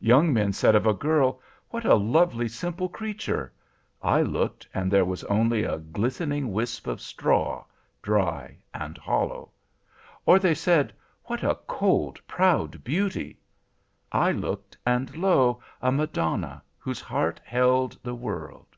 Young men said of a girl, 'What a lovely, simple creature!' I looked, and there was only a glistening wisp of straw, dry and hollow. Or they said, 'What a cold, proud beauty!' I looked, and lo! a Madonna, whose heart held the world.